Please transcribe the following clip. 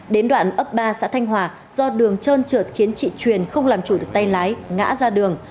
đến đoạn ấp ba xã thanh hòa do đường trơn trượt khiến chị truyền không làm chủ được tay lái ngã ra đường